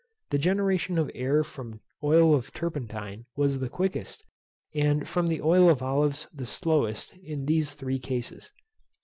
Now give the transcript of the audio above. The generation of air from oil of turpentine was the quickest, and from the oil of olives the slowest in these three cases.